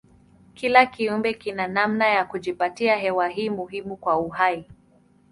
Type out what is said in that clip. Kila kiumbe kina namna ya kujipatia hewa hii muhimu kwa uhai.